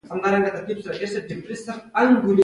ته خو ډير عادي وي ولې غدار شوي